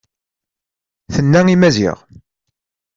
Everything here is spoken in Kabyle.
Tenna i Maziɣ.